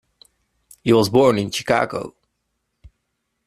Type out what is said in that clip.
He was born in Chicago.